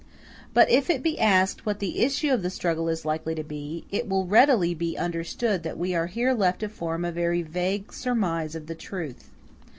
But if it be asked what the issue of the struggle is likely to be, it will readily be understood that we are here left to form a very vague surmise of the truth.